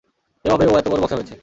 এভাবেই ও এতোবড় বক্সার হয়েছে।